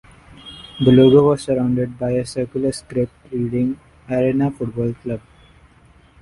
The logo was surrounded by a circular script reading, "Arena Football Club".